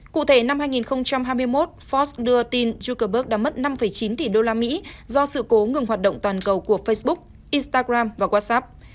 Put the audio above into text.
cụ thể năm hai nghìn hai mươi một forbes đưa tin yukerberg đã mất năm chín tỷ usd do sự cố ngừng hoạt động toàn cầu của facebook instagram và whatsapp